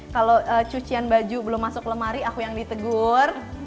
kalau cucian baju belum masuk lemari aku yang ditegur